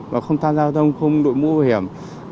và không tham gia giao thông không đội mũ bảo hiểm